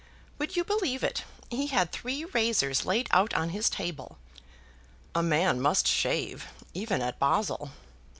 "Would you believe it? he had three razors laid out on his table " "A man must shave, even at Basle."